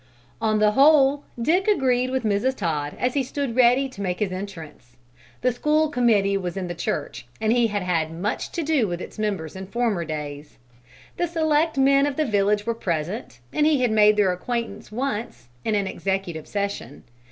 On the whole, Dick agreed with Mrs. Todd as he stood ready to make his entrance. The School Committee was in the church and he had had much to do with its members in former days. The Select men of the village were present, and he had made their acquaintance once, in an executive session.